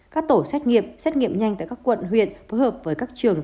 các tổ xét nghiệm xét nghiệm nhanh tại các quận huyện phối hợp với các trường